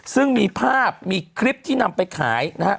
ซึ่งมีภาพมีคลิปที่นำไปขายนะฮะ